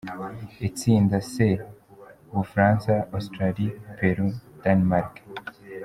Itsinda C: U Bufaransa, Australie, Peru, Danemark.